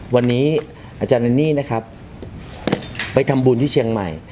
วันนี้อาจารย์เนนี่นะครับไปทำบุญที่เชียงใหม่